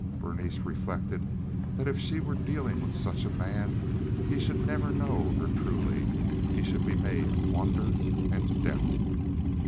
Berenice reflected that if she were dealing with such a man he should never know her truly—he should be made to wonder and to doubt.